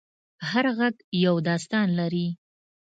هر غږ یو داستان لري.